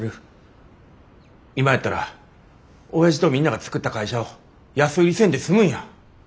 今やったら親父とみんなが作った会社を安売りせんで済むんや。